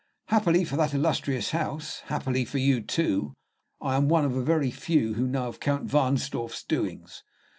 "Happily for that illustrious house happily for you, too I am one of a very few who know of Count Wahnsdorf's doings.